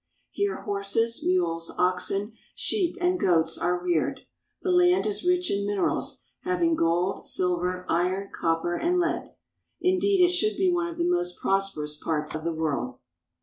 Here horses, mules, oxen, sheep, and goats are reared. The land is rich in minerals, having gold, silver, iron, copper, and lead. Indeed, it should be one of the most prosperous parts of the world.